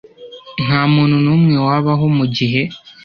ntamuntu numwe wabaho mugihe